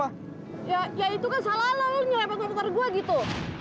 ya ya itu kan salah lo lo ngelepak motor gua gitu